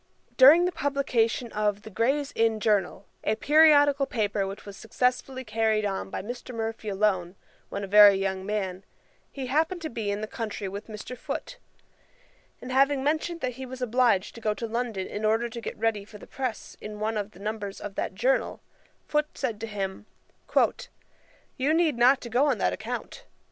During the publication of The Grays Inn Journal, a periodical paper which was successfully carried on by Mr. Murphy alone, when a very young man, he happened to be in the country with Mr. Foote; and having mentioned that he was obliged to go to London in order to get ready for the press in one of the numbers of that Journal, Foote said to him, 'You need not to go on that account.